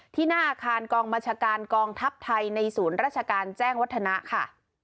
หน้าอาคารกองบัญชาการกองทัพไทยในศูนย์ราชการแจ้งวัฒนะค่ะ